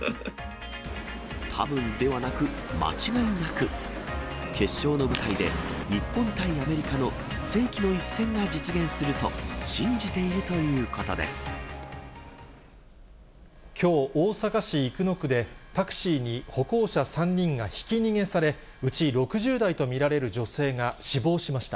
たぶんではなく、間違いなく、決勝の舞台で日本対アメリカの世紀の一戦が実現すると信じているきょう、大阪市生野区で、タクシーに歩行者３人がひき逃げされ、うち６０代と見られる女性が死亡しました。